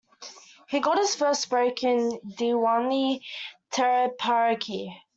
He got his first break in "Deewane Tere Pyar Ke".